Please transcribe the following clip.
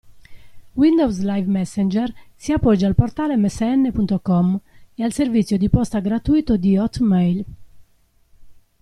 Windows Live Messenger si appoggia al portale MSN.com e al servizio di posta gratuito di Hotmail.